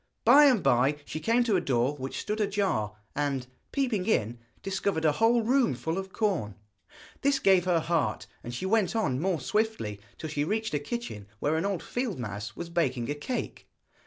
By and by she came to a door which stood ajar, and, peeping in, discovered a whole room full of corn. This gave her heart, and she went on more swiftly, till she reached a kitchen where an old field mouse was baking a cake.